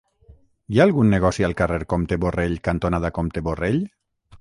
Hi ha algun negoci al carrer Comte Borrell cantonada Comte Borrell?